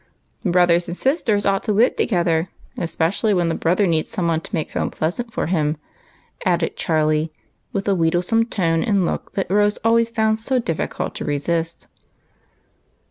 " Brothers and sisters ought to live together ; espe cially when the brother needs some one to make home pleasant for him," added Charlie, with the wheedle some tone and look that Rose always found so difficult to resist.